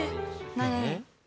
何？